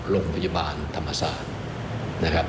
โรงพยาบาลธรรมศาสตร์